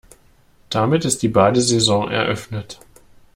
Damit ist die Badesaison eröffnet.